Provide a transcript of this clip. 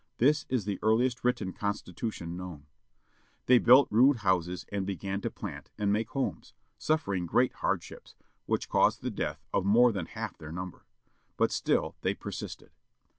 This is the earliest written constitution known. They built rude houses, and began to plant, and make homes, suffering great hardships, which caused the death of more than half their number. But still they persisted.